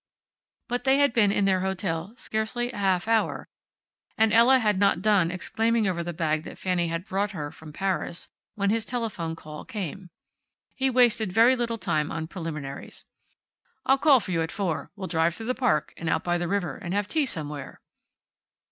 But they had been in their hotel scarcely a half hour, and Ella had not done exclaiming over the bag that Fanny had brought her from Paris, when his telephone call came. He wasted very little time on preliminaries. "I'll call for you at four. We'll drive through the park, and out by the river, and have tea somewhere."